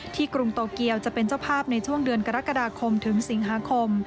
กรุงโตเกียวจะเป็นเจ้าภาพในช่วงเดือนกรกฎาคมถึงสิงหาคม